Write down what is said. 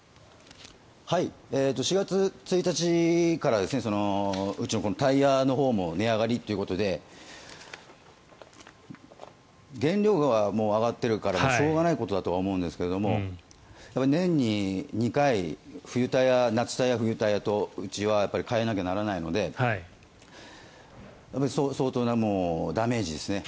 ４月１日からうちのタイヤのほうも値上がりということで原料がもう上がっているからしょうがないことだとは思うんですが年に２回冬タイヤ、夏タイヤとうちは替えなきゃならないので相当なダメージですね。